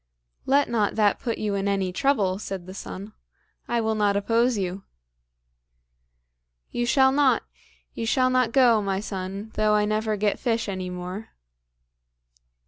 "Let not that put you in any trouble," said the son; "I will not oppose you." "You shall not; you shall not go, my son, though I never get fish any more."